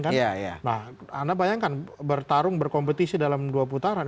nah anda bayangkan bertarung berkompetisi dalam dua putaran